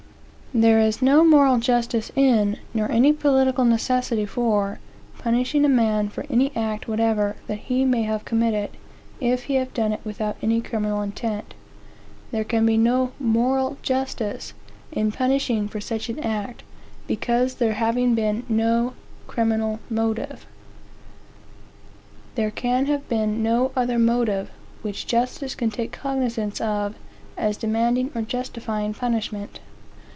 There is no moral justice in, nor any political necessity for, punishing a man for any act whatever that he may have committed, if he have done it without any criminal intent. There can be no moral justice in punishing for such an act, because, there having been no criminal motive, there can have been no other motive which justice can take cognizance of, as demanding or justifying punishment.